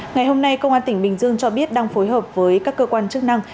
ngày hôm nay công an tỉnh bình dương cho biết đang phối hợp với các cơ quan chức năng